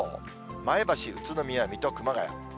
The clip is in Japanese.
前橋、宇都宮、水戸、熊谷。